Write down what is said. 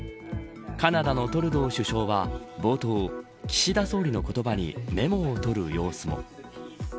カナダのトルドー首相は冒頭、岸田総理の言葉にメモを取る様子も。